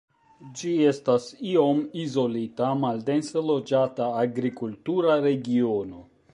Ĝi estas iom izolita, maldense loĝata agrikultura regiono.